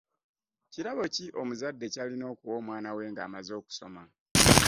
Kirabo ki omuzadde ky'alina okuwa omwana we ng'amazze okusoma?